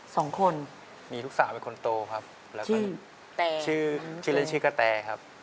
สองคนครับมีลูกสาวเป็นคนโตครับชื่อชื่อชื่อชื่อแล้วชื่อกะแตครับ